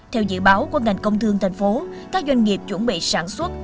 theo dự báo của ngành công thương thành phố các doanh nghiệp chuẩn bị sản xuất